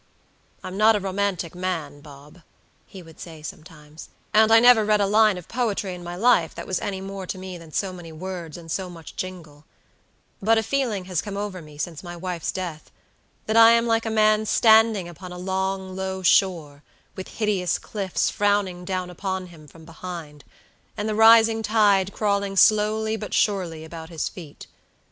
"I'm not a romantic man, Bob," he would say sometimes, "and I never read a line of poetry in my life that was any more to me than so many words and so much jingle; but a feeling has come over me, since my wife's death, that I am like a man standing upon a long, low shore, with hideous cliffs frowning down upon him from behind, and the rising tide crawling slowly but surely about his feet.